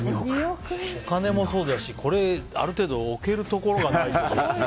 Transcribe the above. お金もそうだしある程度、置けるところがないと。